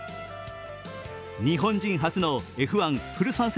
日本人初のＦ１フル参戦